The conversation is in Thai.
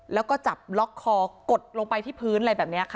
แล้วก็จับล็อกคอกดลงไปที่พื้นอะไรแบบนี้ค่ะ